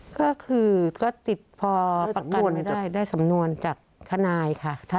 ก็คือก็ติดพอประกันไม่ได้ได้สำนวนจากทนายค่ะ